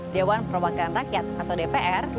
dewan perwakilan rakyat atau dpr